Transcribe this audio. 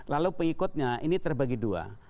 lalu pengikutnya ini terbagi dua